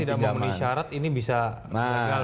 jadi kalau tidak memenuhi syarat ini bisa berhasil